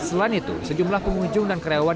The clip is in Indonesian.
selain itu sejumlah pengunjung dan karyawan